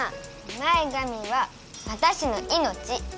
前がみはわたしのいのち。